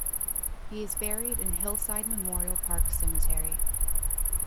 He is buried in Hillside Memorial Park Cemetery.